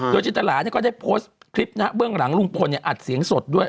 โดยเช้าตลาดก็จะโพสต์คลิปนักเบื้องหลังลุงพลอัดเสียงสดด้วย